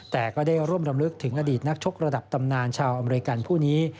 แต่ก็ได้ร่วมรำลึกถึงอดีตนักชกระดับตำนานชาวอเมริกันผู้นี้